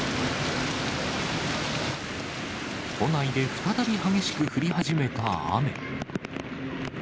都内で再び激しく降り始めた雨。